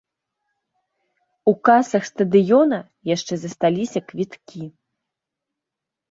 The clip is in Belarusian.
У касах стадыёна яшчэ засталіся квіткі.